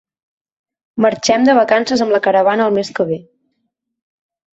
Marxem de vacances amb la caravana el mes que ve